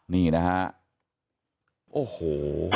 นี่นะฮะโอ้โห